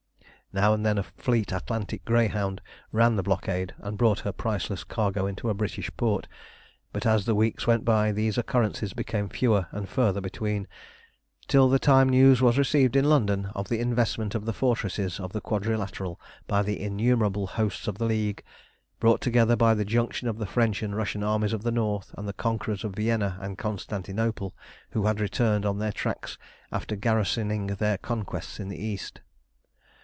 Now and then a fleet Atlantic greyhound ran the blockade and brought her priceless cargo into a British port; but as the weeks went by these occurrences became fewer and further between, till the time news was received in London of the investment of the fortresses of the Quadrilateral by the innumerable hosts of the League, brought together by the junction of the French and Russian Armies of the North and the conquerors of Vienna and Constantinople, who had returned on their tracks after garrisoning their conquests in the East.